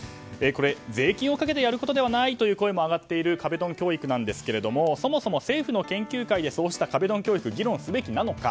税金をかけてやることではないという声も上がっている壁ドン教育ですがそもそも政府の研究会でそうした壁ドン教育を議論すべきなのか。